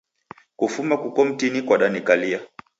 Kufuma kuko mtini kwadanikalia.